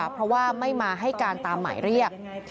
เพราะว่าไม่มาให้การตามหมายเรียก